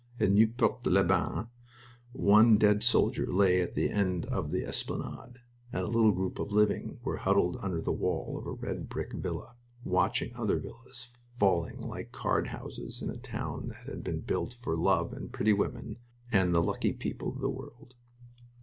At Nieuport les Bains one dead soldier lay at the end of the esplanade, and a little group of living were huddled under the wall of a red brick villa, watching other villas falling like card houses in a town that had been built for love and pretty women and the lucky people of the world.